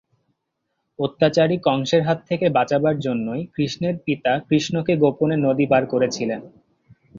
অত্যাচারী কংসের হাত থেকে বাঁচাবার জন্যই কৃষ্ণের পিতা কৃষ্ণকে গোপনে নদী পার করেছিলেন।